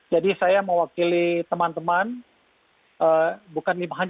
jadi saya mewakili teman teman bukan hanya lima belas